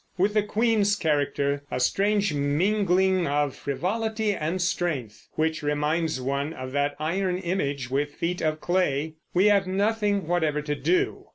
With the queen's character, a strange mingling of frivolity and strength which reminds one of that iron image with feet of clay, we have nothing whatever to do.